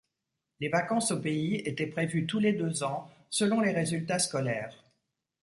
Les vacances au pays étaient prévues tous les deux ans selon les résultats scolaires.